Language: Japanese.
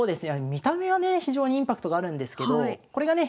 見た目はね非常にインパクトがあるんですけどこれがね